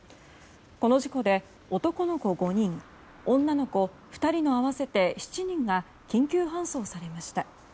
この事故で男の子５人女の子２人の合わせて７人が緊急搬送されました。